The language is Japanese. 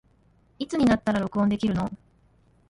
いつになったら録音できるの